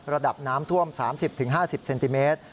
ระดับน้ำท่วมสามสิบถึงห้าสิบเซนติเมตร